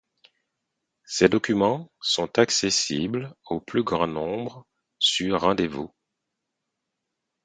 Ces documents sont accessibles au plus grand nombre sur rendez-vous.